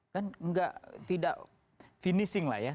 kan tidak finishing lah ya